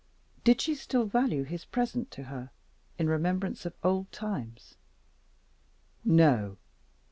Did she still value his present to her, in remembrance of old times? No!